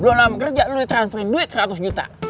belom lama kerja lu ditransferin duit seratus juta